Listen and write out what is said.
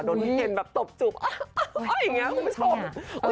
โดนพี่เคนแบบตบจุบอ๊ะอย่างเงี้ยผมชอบ